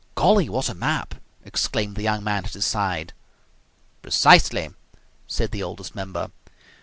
"Golly! What a map!" exclaimed the young man at his side. "Precisely!" said the Oldest Member.